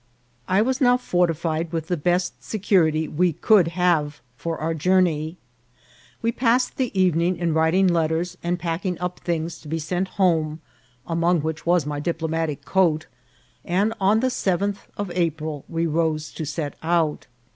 I was now fortified with the best security we could have for our journey. We passed the evening in wri ting letters and packing up things to be sent home (among which was my diplomatic coat), and on the sev enth of April we rose to set out.